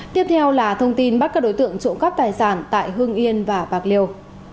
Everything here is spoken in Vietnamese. tiếp theo là thông tin bắt các đối tượng trộm cắp tài sản tại hưng yên và bạc liêu